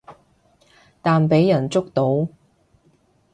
但畀人捉到